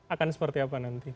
akan seperti apa nanti